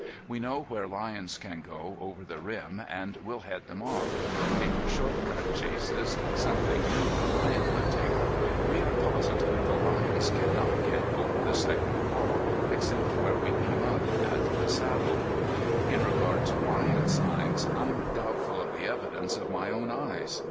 We know where lions can go over the rim and we'll head them off, make short cut chases, something new in lion hunting. We are positive the lions can not get over the second wall, except where we came up, at the Saddle. In regard to lion signs, I'm doubtful of the evidence of my own eyes.